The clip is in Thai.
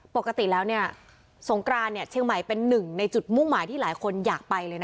ปกติแล้วเนี่ยสงกรานเชียงใหม่เป็นหนึ่งในจุดมุ่งหมายที่หลายคนอยากไปเลยนะ